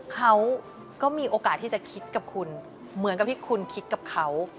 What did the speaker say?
เขาก็มีโอกาสที่จะคิดกับคุณเหมือนกับที่คุณคิดกับเขา